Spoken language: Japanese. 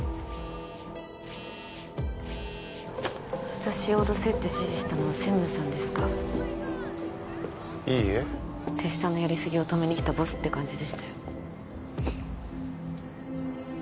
私を脅せって指示したのは専務さんですかいいえ手下のやり過ぎを止めに来たボスって感じでしたよ